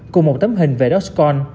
cùng một tấm hình về dogecoin